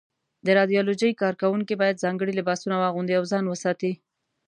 د رادیالوجۍ کارکوونکي باید ځانګړي لباسونه واغوندي او ځان وساتي.